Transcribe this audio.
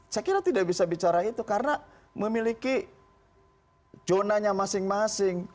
saya kira tidak bisa bicara itu karena memiliki zonanya masing masing